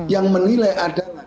yang menilai adalah